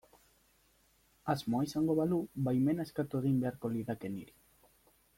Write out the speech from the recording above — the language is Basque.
Asmoa izango balu baimena eskatu egin beharko lidake niri.